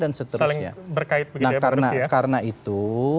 nah karena itu